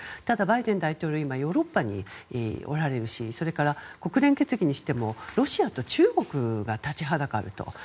ただ、バイデン大統領ヨーロッパにおられるしそれから国連決議にしてもロシアと中国が立ちはだかると。